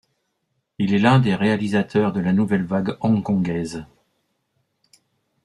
Il est l'un des réalisateurs de la Nouvelle Vague hongkongaise.